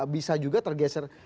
bisa juga tergeser